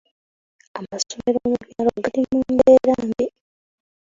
Amasomero mu byalo gali mu mbeera mbi.